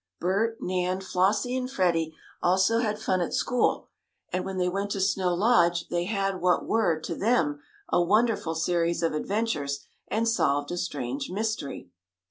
Bert, Nan, Flossie and Freddie also had fun at school, and when they went to Snow Lodge they had what were, to them, a wonderful series of adventures, and solved a strange mystery.